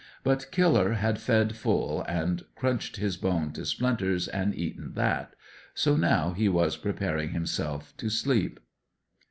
But Killer had fed full, and crunched his bone to splinters and eaten that; so now he was preparing himself to sleep.